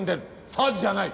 詐欺じゃない。